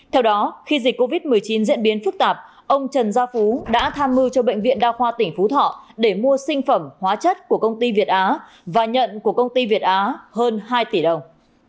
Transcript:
theo đó khi dịch covid một mươi chín diễn biến phức tạp ông trần gia phú đã tham mưu cho bệnh viện đa khoa tỉnh phú thọ để mua sinh phẩm hóa chất của công ty việt á và nhận của công ty việt á hơn hai tỷ đồng